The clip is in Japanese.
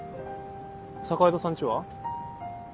坂井戸さん家は？